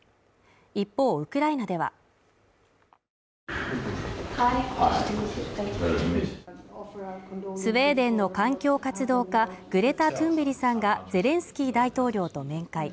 一方ウクライナではスウェーデンの環境活動家グレタ・トゥンベリさんがゼレンスキー大統領と面会。